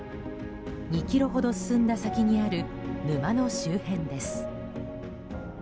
２ｋｍほど進んだ先にある沼の周辺です。